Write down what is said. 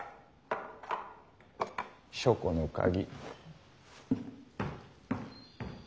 書庫の鍵。